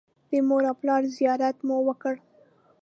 د مور او پلار زیارت مې وکړ.